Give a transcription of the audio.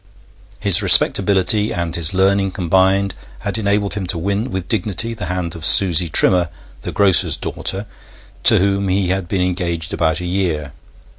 His respectability and his learning combined had enabled him to win with dignity the hand of Susie Trimmer, the grocer's daughter, to whom he had been engaged about a year.